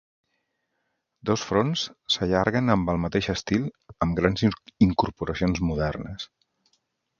Dos fronts s'allarguen amb el mateix estil amb grans incorporacions modernes.